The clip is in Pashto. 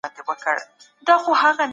ذمي په اسلامي هېواد کي امن لري.